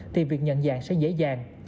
thì việc nhận dạng sẽ dễ dàng